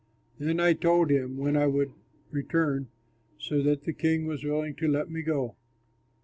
Then I told him when I would return, so that the king was willing to let me go.